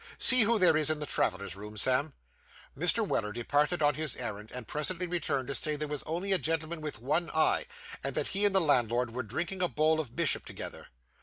See who there is in the travellers' room, Sam.' Mr. Weller departed on his errand, and presently returned to say that there was only a gentleman with one eye; and that he and the landlord were drinking a bowl of bishop together.